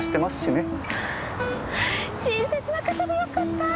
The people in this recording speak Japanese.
親切な方でよかった！